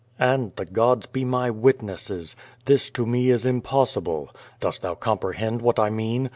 And, the gods be my witnesses! this to me is impossible. Dost thou comprehend what I mean?